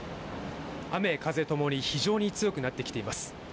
雨風ともに非常に強くなってきています。